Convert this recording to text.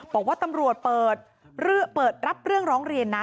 บอกว่าตำรวจเปิดรับเรื่องร้องเรียนนะ